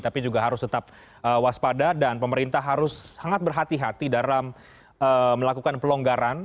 tapi juga harus tetap waspada dan pemerintah harus sangat berhati hati dalam melakukan pelonggaran